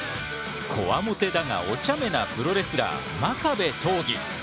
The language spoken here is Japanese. コワモテだがおちゃめなプロレスラー真壁刀義！